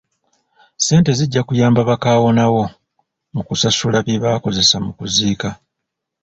Ssente zijja kuyamba ba kaawonawo mu kusasula bye baakozesa mu kuziika.